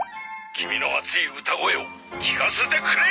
「キミの熱い歌声を聴かせてくれ！」